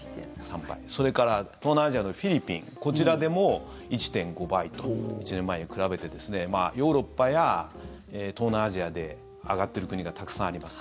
それから東南アジアのフィリピンこちらでも１．５倍と１年前に比べてヨーロッパや東南アジアで上がってる国がたくさんあります。